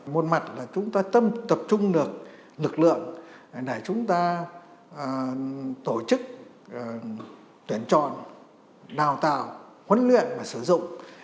một mặt là chúng ta tâm tập trung được lực lượng để chúng ta tổ chức tuyển chọn đào tạo huấn luyện và sử dụng